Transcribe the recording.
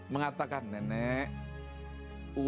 memberikan uangnya untuk buffa